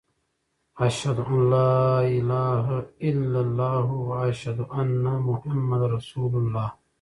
اشهد ان لا اله الا الله و اشهد ان محمد رسول الله.